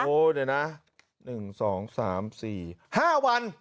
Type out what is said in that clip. เดี๋ยวนะ๑๒๓๔๕วัน